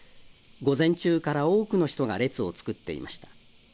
午前中から多くの人が列を作っていました。